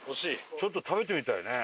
ちょっと食べてみたいね。